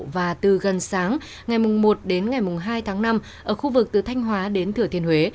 và từ gần sáng ngày một đến ngày hai tháng năm ở khu vực từ thanh hóa đến thừa thiên huế